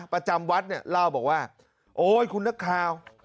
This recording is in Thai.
ประจำวัดเนี่ยเล่าบอกว่าโอ๊ยคุณนักข่าว